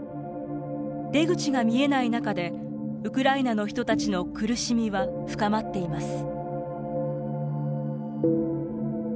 出口が見えない中でウクライナの人たちの苦しみは深まっています。